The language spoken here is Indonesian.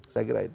saya kira itu